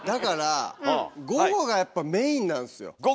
午後メインなんです。